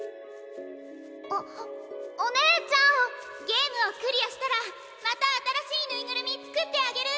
ゲームをクリアしたらまた新しいぬいぐるみ作ってあげる！